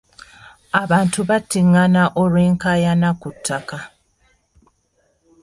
Abantu battingana olw'enkaayana ku ttaka.